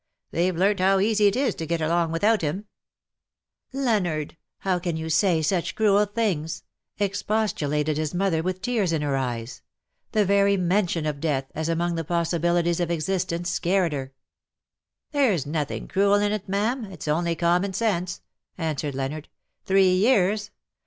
They've learnt how easy it is to get along without him." ^^ LOVE WILL HAVE HIS BAyT 61 '' Leonard ! how can you say such cruel things ?" expostulated his mother, with tears in her eyes. The very mention of death, as among the possibilities of existence, scared her. '^'^ There's nothing cruel in it, ma'am; it^s only common sense/' answered Leonard. " Three years.